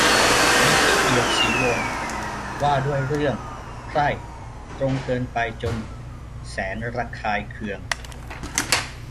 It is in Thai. นิธิ เอียวศรีวงศ์ : ว่าด้วย เรื่อง "ไพร่" ตรงเกินไปจนแสนระคายเคือง